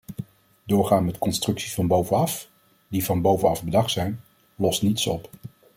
Doorgaan met constructies van bovenaf, die van bovenaf bedacht zijn, lost niets op.